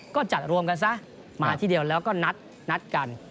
ก็จัดรวมกันซะมาที่เดียวแล้วก็นัดกัน